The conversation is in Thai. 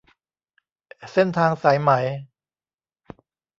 เส้นทางสายไหม